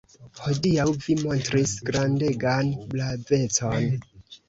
Hodiaŭ vi montris grandegan bravecon.